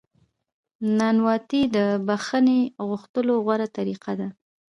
نانواتې د بخښنې غوښتلو غوره طریقه ده.